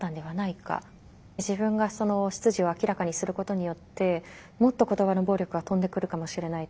自分が出自を明らかにすることによってもっと言葉の暴力が飛んでくるかもしれない。